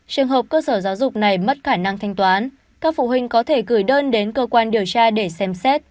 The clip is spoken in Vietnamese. trường hợp cơ sở giáo dục này mất khả năng thanh toán các phụ huynh có thể gửi đơn đến cơ quan điều tra để xem xét